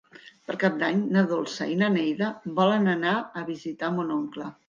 Per Cap d'Any na Dolça i na Neida volen anar a visitar mon oncle.